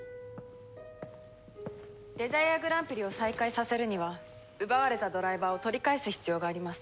デザイアグランプリを再開させるには奪われたドライバーを取り返す必要があります。